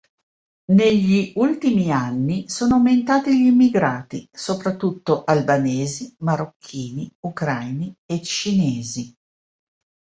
Negli ultimi anni sono aumentati gli immigrati, soprattutto Albanesi, Marocchini, Ucraini e Cinesi